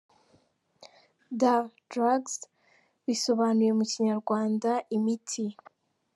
D : Drugs : bisobanuye mu Kinyarwanda “imiti”.